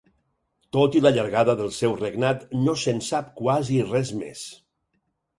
Tot i la llargada del seu regnat no se'n sap quasi res més.